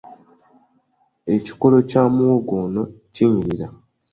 Ekikoolo kya muwogo ono kinyirira.